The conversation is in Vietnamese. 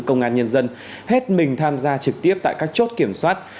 công an nhân dân hết mình tham gia trực tiếp tại các chốt kiểm soát